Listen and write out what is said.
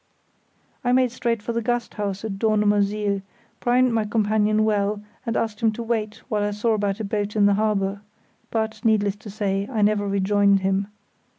I made straight for the Gasthaus at Dornumersiel, primed my companion well, and asked him to wait while I saw about a boat in the harbour; but, needless to say, I never rejoined him.